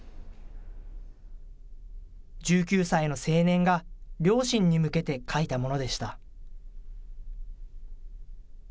１９歳の青年が両親に向けて書いたものでした。